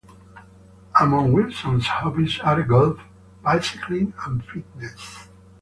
Among Wilson's hobbies are golf, bicycling, and fitness.